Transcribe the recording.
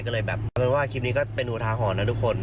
ก็เลยแบบคลิปนี้ก็เป็นอุทาหรณ์นะทุกคน